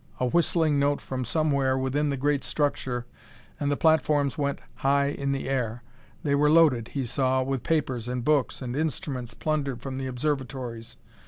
A whistling note from somewhere within the great structure and the platforms went high in the air. They were loaded, he saw, with papers and books and instruments plundered from the observatories.